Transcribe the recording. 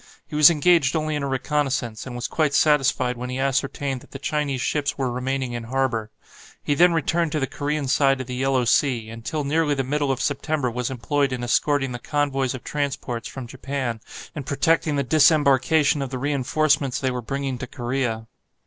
He was engaged only in a reconnaissance, and was quite satisfied when he ascertained that the Chinese ships were remaining in harbour. He then returned to the Korean side of the Yellow Sea, and till nearly the middle of September was employed in escorting the convoys of transports from Japan, and protecting the disembarkation of the reinforcements they were bringing to Korea.